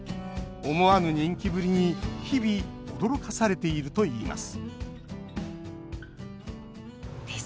思わぬ人気ぶりに日々驚かされているといいます